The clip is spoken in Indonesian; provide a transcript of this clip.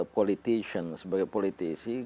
politician sebagai politician